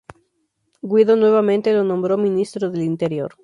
Guido nuevamente lo nombró Ministro del Interior.